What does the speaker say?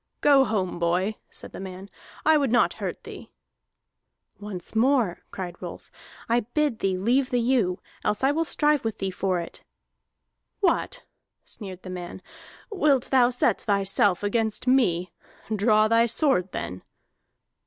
"Go home, boy!" said the man. "I would not hurt thee." "Once more," cried Rolf, "I bid thee leave the ewe, else will I strive with thee for it." "What," sneered the man, "wilt thou set thyself against me? Draw thy sword, then!"